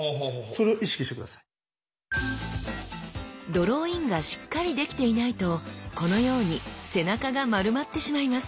ドローインがしっかりできていないとこのように背中が丸まってしまいます。